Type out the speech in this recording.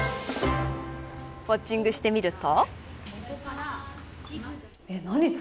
ウオッチングしてみると。